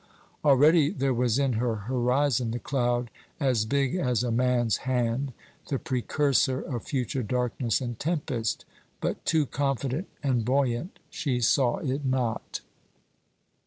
Already there was in her horizon the cloud "as big as a man's hand" the precursor of future darkness and tempest; but, too confident and buoyant, she saw it not.